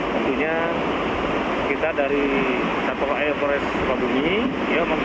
tentunya kita dari satu air forest kabupaten ini